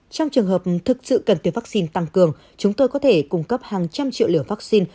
trong trường hợp thực sự cần tiêm vaccine tăng cường chúng tôi có thể cung cấp hàng trăm triệu liều vaccine